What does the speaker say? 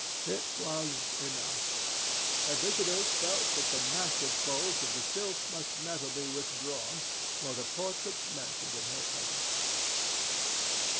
It was enough. Her visitors felt that the massive folds of the silk must never be withdrawn nor the portraits mentioned in her presence.